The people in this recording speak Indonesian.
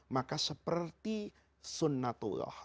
maka seperti sunnatullah